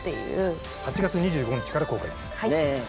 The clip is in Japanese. ８月２５日から公開です。